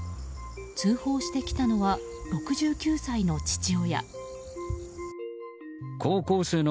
通報してきたのは６９歳の父親。